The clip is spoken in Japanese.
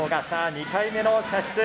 ２回目の射出。